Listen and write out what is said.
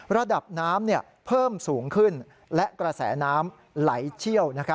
ระดับน้ำเพิ่มสูงขึ้นและกระแสน้ำไหลเชี่ยว